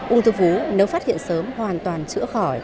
ung thư vú nếu phát hiện sớm hoàn toàn chữa khỏi